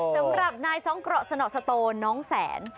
สำหรับนายสองเกราะสนอสโตน้องแสน